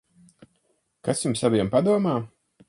Kas jums abiem padomā?